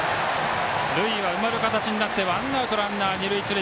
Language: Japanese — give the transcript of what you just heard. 塁は埋まる形になってワンアウト、ランナー、一塁二塁。